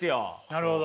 なるほど。